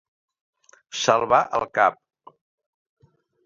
Salvar el cap.